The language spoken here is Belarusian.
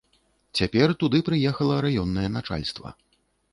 Цяпер туды прыехала раённае начальства.